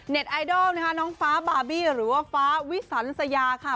ไอดอลนะคะน้องฟ้าบาร์บี้หรือว่าฟ้าวิสันสยาค่ะ